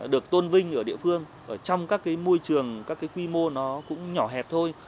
được tôn vinh ở địa phương trong các cái môi trường các cái quy mô nó cũng nhỏ hẹp thôi